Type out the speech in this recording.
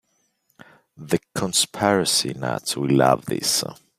The conspiracy nuts will love this.